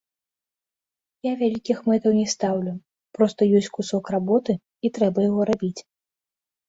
Я вялікіх мэтаў не стаўлю, проста ёсць кусок работы, і трэба яго рабіць.